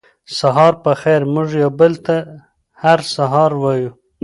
سهار پخېر موږ یو بل ته هر سهار وایو